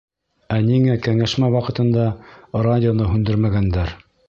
Ә ниңә кәңәшмә ваҡытында радионы һүндермәгәндәр?